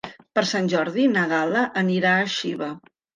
Per Sant Jordi na Gal·la anirà a Xiva.